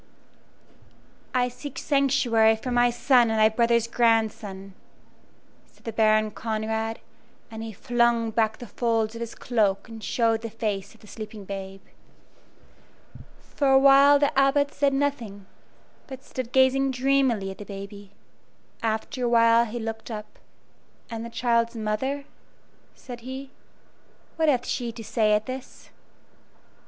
"I seek sanctuary for my son and thy brother's grandson," said the Baron Conrad, and he flung back the folds of his cloak and showed the face of the sleeping babe. For a while the Abbot said nothing, but stood gazing dreamily at the baby. After a while he looked up. "And the child's mother," said he "what hath she to say at this?"